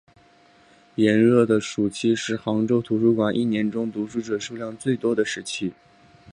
炎热的暑期是杭州图书馆一年中读者数量最多的时期。